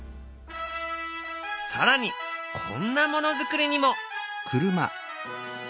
更にこんなものづくりにも！